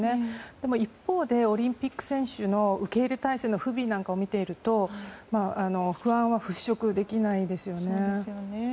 でも一方でオリンピック選手の受け入れ態勢の不備なんかを見ていると不安は払拭できないですよね。